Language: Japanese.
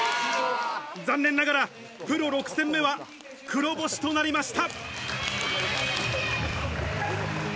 残念ながらプロ６戦目は黒星となりました。